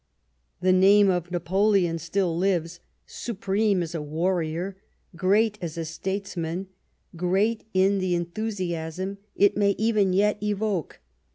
The name of Napoleon still lives : supreme as a warrior, great as a statesman, great in the enthusiasm it may even yet evoke.